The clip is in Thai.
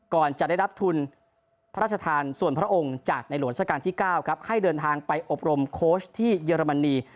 ก่อนจะได้รับทุนพระราชทานส่วนพระองค์จากในหลวงราชการที่๙ครับให้เดินทางไปอบรมโค้ชที่เยอรมนี